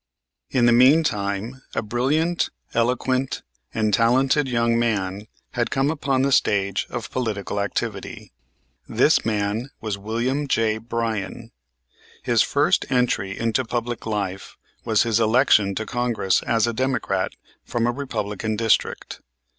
In the meantime a brilliant, eloquent and talented young man had come upon the stage of political activity. This man was William J. Bryan. His first entry into public life was his election to Congress as a Democrat from a Republican district.